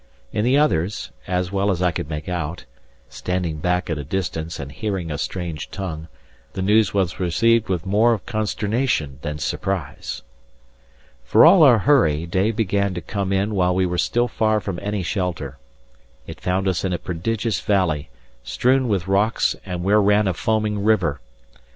In the others, as well as I could make out (standing back at a distance and hearing a strange tongue), the news was received with more of consternation than surprise. For all our hurry, day began to come in while we were still far from any shelter. It found us in a prodigious valley, strewn with rocks and where ran a foaming river.